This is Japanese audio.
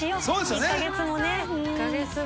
１カ月もね。